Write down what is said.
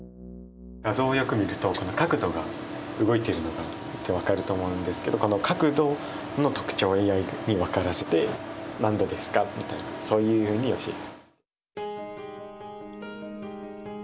画像をよく見ると角度が動いてるのが見て分かると思うんですけどこの角度の特徴をＡＩに分からせて何度ですかみたいなそういうふうに教えています。